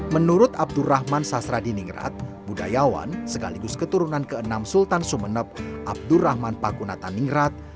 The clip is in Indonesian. menurut abdurrahman sasradi ningrat budayawan segaligus keturunan ke enam sultan sumeneb abdurrahman pakunatan ningrat